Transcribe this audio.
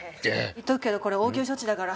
言っとくけどこれ応急処置だから。